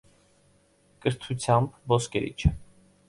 Կրթությամբ ոսկերիչ է։